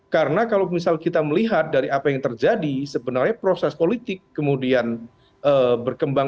karena kalau misal kita melihat dari apa yang terjadi sebenarnya proses politik kemudian berkembang